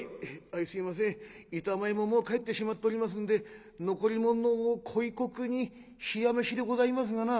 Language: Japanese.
「相すいません板前ももう帰ってしまっておりますんで残り物のこいこくに冷や飯でございますがな」。